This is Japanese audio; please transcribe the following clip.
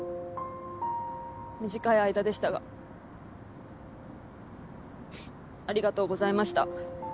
短い間でしたがありがとうございました。